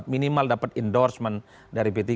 minimal dapat endorsement dari p tiga